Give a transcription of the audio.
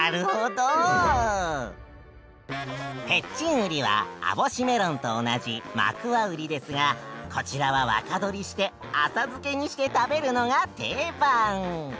ウリは網干メロンと同じマクワウリですがこちらは若どりして浅漬けにして食べるのが定番。